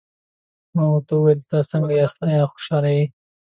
ما ورته وویل: تاسي څنګه یاست، آیا خوشحاله یې؟